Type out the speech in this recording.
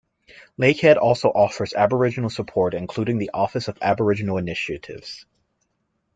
Lakehead also offers Aboriginal support including the Office of Aboriginal Initiatives.